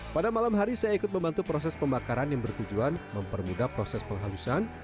pada malam hari saya ikut membantu proses pembakaran yang bertujuan mempermudah proses penghalusan